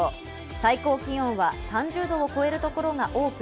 最高気温は３０度を超える所が多く、